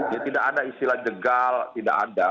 ya tidak ada istilah jegal tidak ada